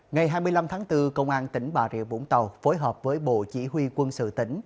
ngày hai mươi năm tháng bốn công an tỉnh bà rịa vũng tàu phối hợp với bộ chỉ huy quân sự tỉnh